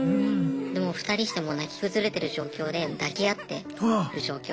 でもう２人してもう泣き崩れてる状況で抱き合ってる状況。